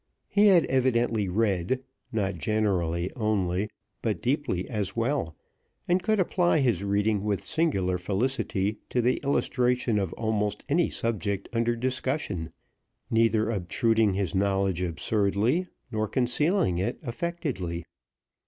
He had evidently read, not generally only, but deeply as well, and could apply his reading with singular felicity to the illustration of almost any subject under discussion, neither obtruding his knowledge absurdly, nor concealing it affectedly.